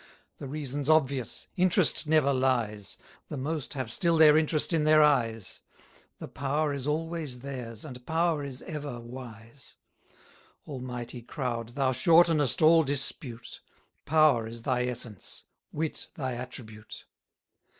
The reason's obvious: interest never lies; The most have still their interest in their eyes; The power is always theirs, and power is ever wise. 90 Almighty crowd, thou shortenest all dispute Power is thy essence; wit thy attribute!